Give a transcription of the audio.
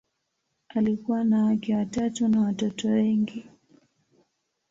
Alikuwa na wake watatu na watoto wengi.